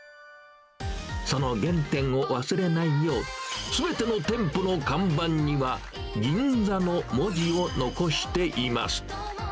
その原点を忘れないよう、すべての店舗の看板にはギンザの文字を残しています。